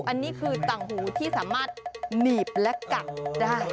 อันนี้คือต่างหูที่สามารถหนีบและกักได้